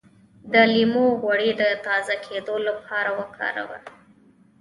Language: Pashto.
د لیمو غوړي د تازه کیدو لپاره وکاروئ